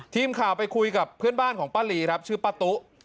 ทีมข่าวไปคุยกับเพื่อนบ้านของป้าลีครับชื่อป้าตุ๊